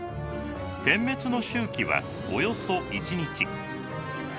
点滅の周期はおよそ１日。